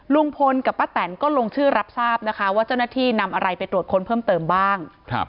ลุงพลกับป้าแตนก็ลงชื่อรับทราบนะคะว่าเจ้าหน้าที่นำอะไรไปตรวจค้นเพิ่มเติมบ้าง